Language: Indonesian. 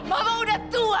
mama udah tua